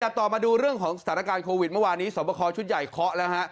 ต่อมาดูเรื่องของสถานการณ์โควิดเมื่อวานนี้สวบคอชุดใหญ่เคาะแล้วฮะ